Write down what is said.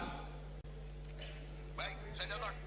baik saya datang